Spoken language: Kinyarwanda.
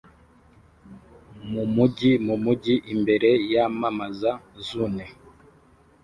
mumujyi mumujyi imbere yamamaza Zune